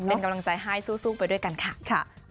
เป็นกำลังใจให้สู้ไปด้วยกันค่ะ